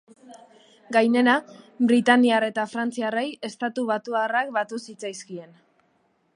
Gainera, britainiar eta frantziarrei estatubatuarrak batu zitzaizkien.